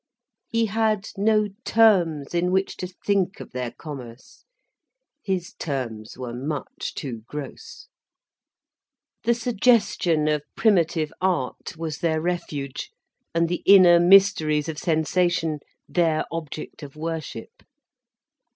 He had no terms in which to think of their commerce, his terms were much too gross. The suggestion of primitive art was their refuge, and the inner mysteries of sensation their object of worship.